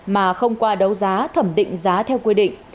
mà không qua đấu giá thẩm định giá theo quy định